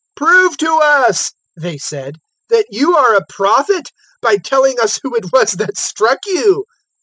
"Prove to us," they said, "that you are a prophet, by telling us who it was that struck you."